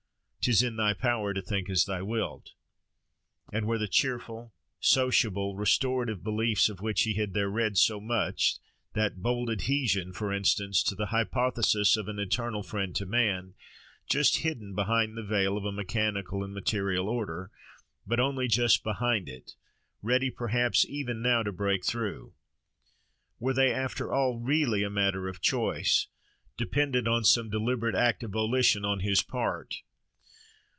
—"'Tis in thy power to think as thou wilt." And were the cheerful, sociable, restorative beliefs, of which he had there read so much, that bold adhesion, for instance, to the hypothesis of an eternal friend to man, just hidden behind the veil of a mechanical and material order, but only just behind it, ready perhaps even now to break through:—were they, after all, really a matter of choice, dependent on some deliberate act of volition on his part?